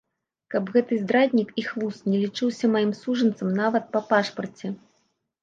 Каб гэты здраднік і хлус не лічыўся маім сужэнцам нават па пашпарце!